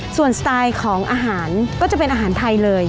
ส่วนสไตล์ของอาหารก็จะเป็นอาหารไทยเลย